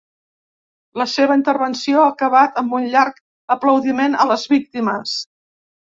La seva intervenció ha acabat amb un llarg aplaudiment a les víctimes.